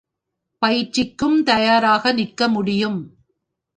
பயிற்சிக்கும் தயாராக நிற்க முடியும்.